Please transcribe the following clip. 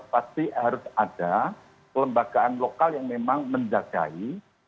pasti harus ada kelembagaan lokal yang memang menjagai